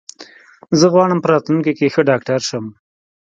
زه غواړم په راتلونکې کې ښه ډاکټر شم.